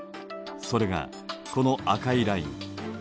それがこの赤いライン。